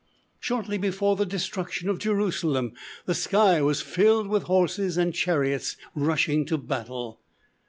Shortly before the destruction of Jerusalem, the sky was filled with horses and chariots, rushing to battle.